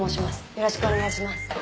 よろしくお願いします。